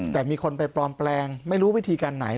แต่มีคนไปปลอมแปลงไม่รู้วิธีการไหน